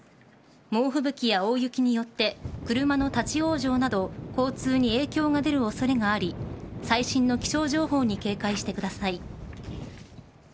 猛吹雪や大雪によって車の立ち往生など交通に影響が出る恐れがあり最新の気象情報に警戒してください。